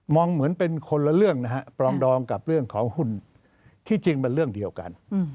เหมือนเป็นคนละเรื่องนะฮะปรองดองกับเรื่องของหุ่นที่จริงเป็นเรื่องเดียวกัน